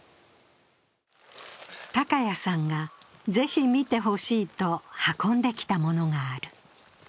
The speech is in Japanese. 高谷さんが、ぜひ見てほしいと運んできたものがある。